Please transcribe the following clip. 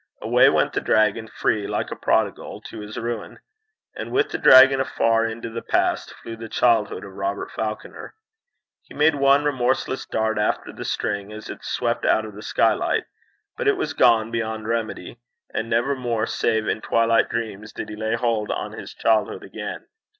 Away went the dragon, free, like a prodigal, to his ruin. And with the dragon, afar into the past, flew the childhood of Robert Falconer. He made one remorseful dart after the string as it swept out of the skylight, but it was gone beyond remeid. And never more, save in twilight dreams, did he lay hold on his childhood again.